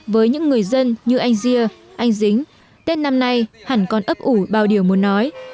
với những người dân như anh ria anh dính tết năm nay hẳn còn ấp ủ bao điều muốn nói